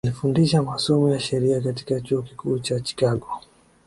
Alifundisha masomo ya sheria katika chuo kikuu cha Chicago